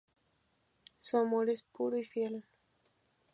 Su amor es puro y fiel.